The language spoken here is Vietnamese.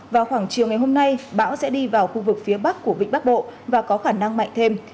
vào khoảng chiều ngày hôm nay bão sẽ đi vào khu vực phía bắc của vịnh bắc bộ và có khả năng mạnh thêm